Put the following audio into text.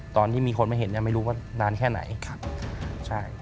ตอนที่มีคนมาเห็นยังไม่รู้ว่านานแค่ไหน